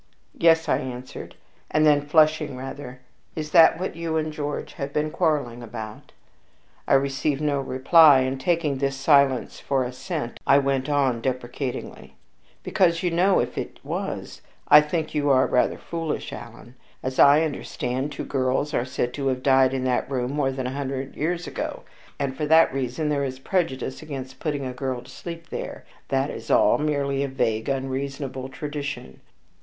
"Yes," I answered. And then, flushing rather, "Is that what you and George have been quarreling about?" I received no reply, and taking this silence for assent, I went on deprecatingly, "Because you know, if it was, I think you are rather foolish, Alan. As I understand, two girls are said to have died in that room more than a hundred years ago, and for that reason there is a prejudice against putting a girl to sleep there. That is all. Merely a vague, unreasonable tradition."